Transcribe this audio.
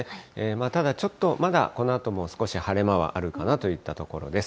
ただちょっとまだ、このあとも少し晴れ間はあるかなといったところです。